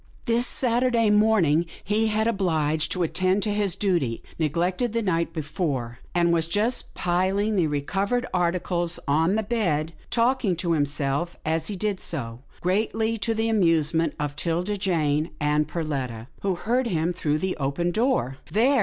This Saturday morning he had been obhged to attend to this duty, neg lected the night before, and he was just piling the recovered articles on the bed, talking to himself as he did so, greatly to the amusement of 'Tilda Jane and Perletta, who heard him through the open door. " There